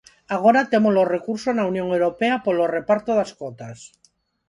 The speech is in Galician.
Agora temos o recurso na Unión Europea polo reparto das cotas.